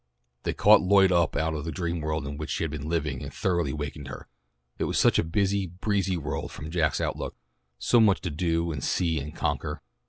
They caught Lloyd up out of the dream world in which she had been living and thoroughly wakened her. It was such a busy, breezy world from Jack's outlook, so much to do and see and conquer.